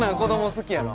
好きやわ！